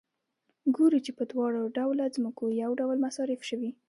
ګورو چې په دواړه ډوله ځمکو یو ډول مصارف شوي